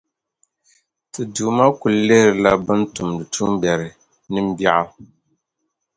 ti Duuma kul lihirila bɛn tumdi tuumbiɛri nimbiɛɣu.